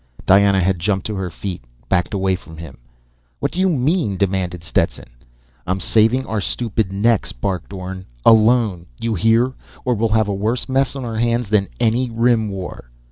"_ Diana had jumped to her feet, backed away from him. "What do you mean?" demanded Stetson. "I'm saving our stupid necks!" barked Orne. _"Alone! You hear? Or we'll have a worse mess on our hands than any Rim War!"